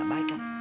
gak baik kan